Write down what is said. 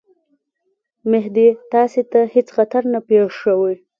مهدي تاسي ته هیڅ خطر نه پېښوي.